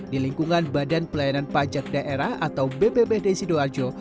di lingkungan badan pelayanan pajak daerah atau bbb desido arjo